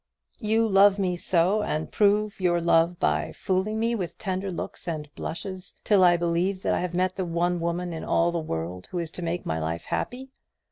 "You love me so, and prove your love by fooling me with tender looks and blushes, till I believe that I have met the one woman in all the world who is to make my life happy.